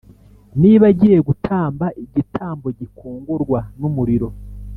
Niba agiye gutamba igitambo gikongorwa n umuriro